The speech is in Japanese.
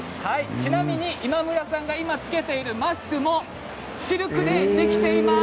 今村さんが今着けているマスクもシルクでできています。